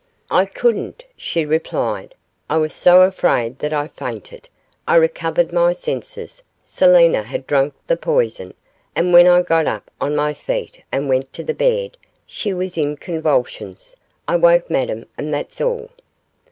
'I couldn't,' she replied, 'I was so afraid that I fainted. I recovered my senses, Selina had drank the poison, and when I got up on my feet and went to the bed she was in convulsions; I woke Madame, and that's all.